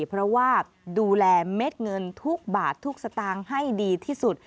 เพราะว่าดูแลเม็ดเงินทุกบาททุกสตางค์ให้ดีที่สุด